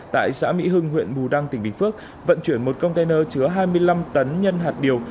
tại xã mỹ hưng huyện bù đăng tỉnh bình phước vận chuyển một container chứa hai mươi năm tấn nhân hạt điều